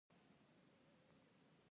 آیا پاکستان زموږ لوی شریک دی؟